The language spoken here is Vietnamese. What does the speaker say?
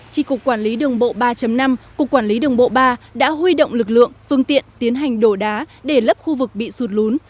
chỉ cục quản lý đường bộ ba năm cục quản lý đường bộ ba đã huy động lực lượng phương tiện tiến hành đổ đá để lấp khu vực bị sụt lún